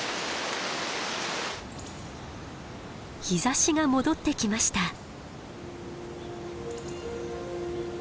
日ざしが戻ってきました。